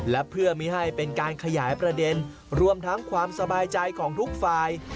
และเพื่อไม่ให้เป็นการขยายประเด็นรวมทั้งความสบายใจของทุกฝ่าย